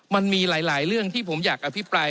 มันมีหลายเรื่องที่ผมอยากอภิปราย